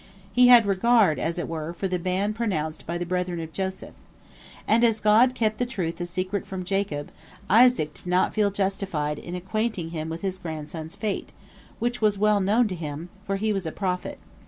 He had regard, as it were, for the ban pronounced by the brethren of Joseph. And as God kept the truth a secret from Jacob, Isaac did not feel justified in acquainting him with his grandson's fate, which was well known to him, for he was a prophet.